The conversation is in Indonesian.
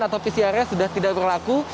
atau pcrnya sudah tidak berlaku